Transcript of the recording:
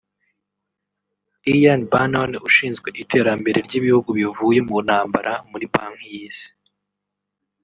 Ian Bannon ushinzwe iterambere ry’ibihugu bivuye mu ntambara muri Banki y’Isi